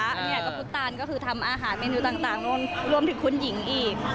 อันนี้ก็พุทธตานก็คือทำอาหารเมนูต่างรวมถึงคุณหญิงอีก